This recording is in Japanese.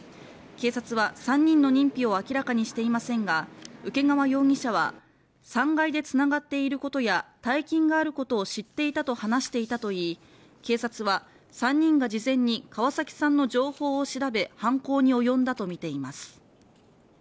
警察は３人の認否を明らかにしていませんが請川容疑者は３階でつながっていることや大金があることを知っていたと話していたといい警察は３人が事前に川崎さんの情報を調べ犯行に及んだとみています